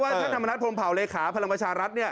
ท่านธรรมนัฐพรมเผาเลขาพลังประชารัฐ